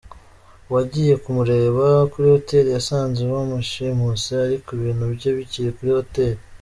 Uwagiye kumureba kuri hoteli yasanze bamushimuse ariko ibintu bye bikiri kuri hoteli.